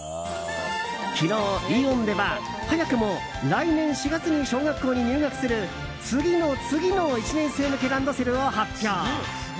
昨日、イオンでは早くも来年４月に小学校に入学する次の次の１年生向けランドセルを発表。